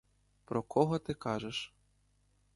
Про кого ти кажеш?